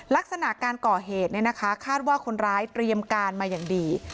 ลักษณะการก่อเหตุคาดว่าคนร้ายเตรียมการมาอย่างดี